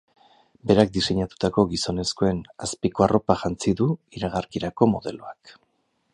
Berak diseinatutako gizonezkoen azpiko arropa jantzi du iragarkirako modeloak.